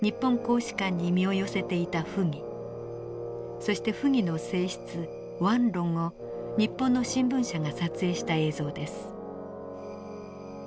そして溥儀の正室婉容を日本の新聞社が撮影した映像です。